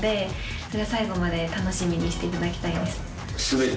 それは最後まで楽しみにしていただきたいです。